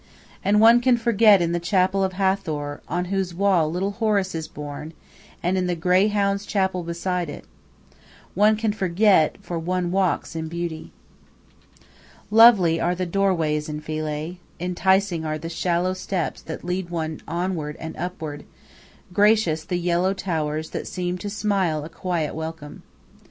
And one can forget in the chapel of Hathor, on whose wall little Horus is born, and in the grey hounds' chapel beside it. One can forget, for one walks in beauty. Lovely are the doorways in Philae, enticing are the shallow steps that lead one onward and upward; gracious the yellow towers that seem to smile a quiet welcome.